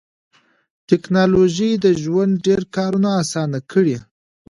ټکنالوژي د ژوند ډېر کارونه اسانه کړي